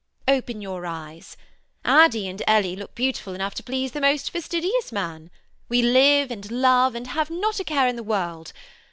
Open your eyes: Addy and Ellie look beautiful enough to please the most fastidious man: we live and love and have not a care in the world.